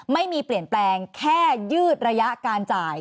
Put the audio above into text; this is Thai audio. ไม่มีเปลี่ยนแปลงแค่ยืดระยะการจ่าย